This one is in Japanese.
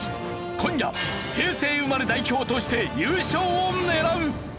今夜平成生まれ代表として優勝を狙う！